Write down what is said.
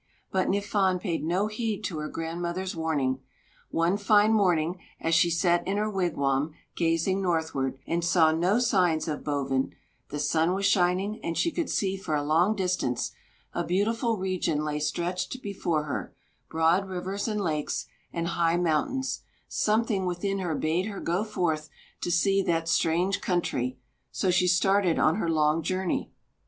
But Niffon paid no heed to her grandmother's warning. One fine morning as she sat in her wigwam gazing northward, and saw no signs of Bovin, the sun was shining and she could see for a long distance, a beautiful region lay stretched before her, broad rivers, and lakes, and high mountains, something within her bade her go forth to see that strange country; so she started on her long journey.